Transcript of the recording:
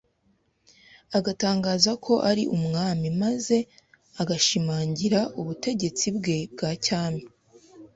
agatangaza ko ari Umwami, maze agashimangira ubutegetsi bwe bwa cyami.